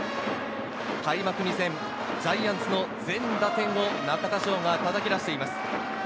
開幕２戦、ジャイアンツの全打点を中田翔がたたき出しています。